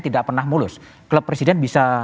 tidak pernah mulus klub presiden bisa